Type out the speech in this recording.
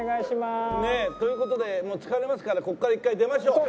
という事でもう疲れますからここから一回出ましょう。